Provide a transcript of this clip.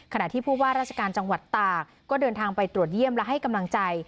ที่ผู้ว่าราชการจังหวัดตากก็เดินทางไปตรวจเยี่ยมและให้กำลังใจ